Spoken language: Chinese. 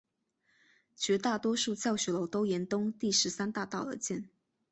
绝大多数教学楼都沿东第十三大道而建。